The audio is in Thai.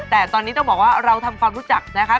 แต่ตอนนี้ต้องบอกว่าเราทำความรู้จักนะคะ